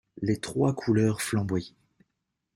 Les trois couleurs flamboyaient.